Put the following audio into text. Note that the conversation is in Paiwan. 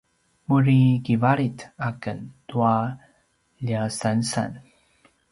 muri kivalit aken tua ljansansan